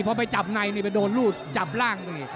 พอไปจับในไปโดนรูดจับร่าง